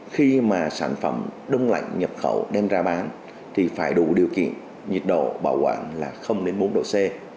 khi mà sản phẩm đông lạnh nhập khẩu đem ra bán thì phải đủ điều kiện nhiệt độ bảo quản là bốn độ c